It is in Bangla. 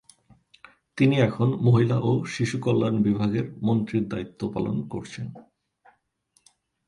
তিনি এখন মহিলা ও শিশু কল্যাণ বিভাগের মন্ত্রীর দায়িত্ব পালন করছেন।